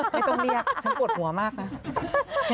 ไม่ต้องเรียกฉันปวดหัวมากนะ